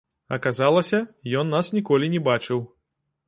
Аказалася, ён нас ніколі не бачыў.